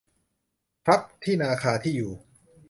พลัดที่นาคาที่อยู่